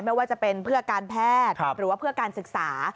ไม่ว่าจะเป็นเพื่อการแพทย์หรือว่าเพื่อการศึกษา